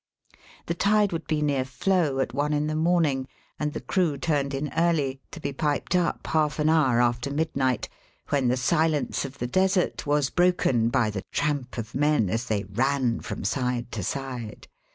The tide would be near flow at one in the morning, and the crew turned in early, to be piped up half an hour after midnight, when the silence of the desert was broken by the tramp of men as they ran from side to side.